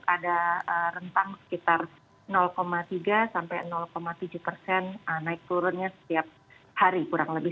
ada rentang sekitar tiga sampai tujuh persen naik turunnya setiap hari kurang lebih